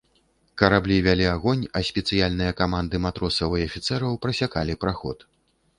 Караблі вялі агонь, а спецыяльныя каманды матросаў і афіцэраў прасякалі праход.